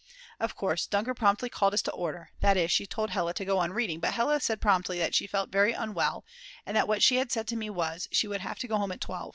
Of course Dunker promptly called us to order, that is, she told Hella to go on reading, but Hella said promptly that she felt very unwell, and that what she had said to me was, she would have to go home at 12.